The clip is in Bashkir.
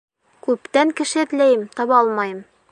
Күптән кеше эҙләйем, таба алмайым.